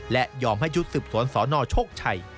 และยอมให้ชุดสืบสวนสนโชคชัย